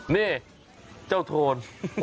นี่เจ้าโทน